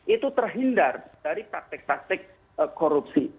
itu terhindar dari praktik praktik korupsi